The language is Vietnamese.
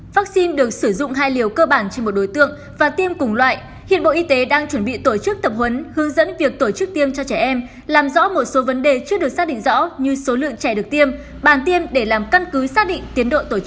vaccine được sử dụng hai liều cơ bản trên một đối tượng và tiêm cùng loại hiện bộ y tế đang chuẩn bị tổ chức tập huấn hướng dẫn việc tổ chức tiêm cho trẻ em làm rõ một số vấn đề chưa được xác định rõ như số lượng trẻ được tiêm bàn tiêm để làm căn cứ xác định tiến độ tổ chức